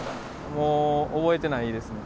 もう覚えてないですね。